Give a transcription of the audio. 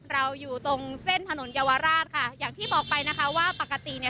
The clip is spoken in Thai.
อยู่ตรงเส้นถนนเยาวราชค่ะอย่างที่บอกไปนะคะว่าปกติเนี่ย